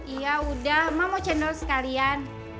iya udah mama mau cendol sekalian